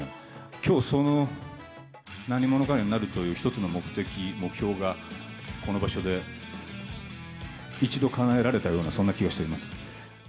きょうその何者かになるという一つの目的、目標が、この場所で一度かなえられたような、そんな気がしております。